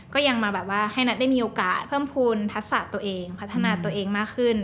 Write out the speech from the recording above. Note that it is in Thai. ก็ยังมาแบบว่าให้นัทได้มีโอกาสเพิ่มภูมิทักษะตัวเองพัฒนาตัวเองมากขึ้น